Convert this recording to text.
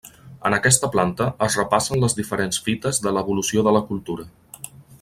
En aquesta planta es repassen les diferents fites de l'evolució de la cultura.